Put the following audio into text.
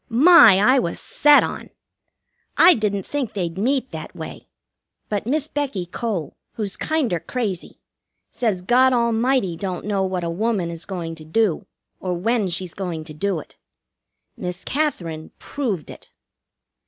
My, I was set on! I didn't think they'd meet that way; but Miss Becky Cole, who's kinder crazy, says God Almighty don't know what a woman is going to do or when she's going to do it. Miss Katherine proved it.